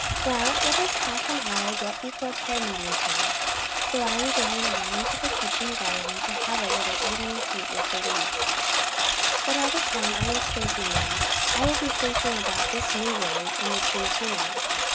Well, it is half an hour yet before prayer meeting time, so I am going around to the kitchen garden to have a little evening hate with the weeds. But all the time I am strafing them I will be thinking about this new worry in the Trentino.